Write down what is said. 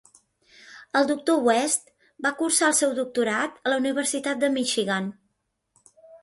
El doctor West va cursar el seu doctorat a la Universitat de Michigan.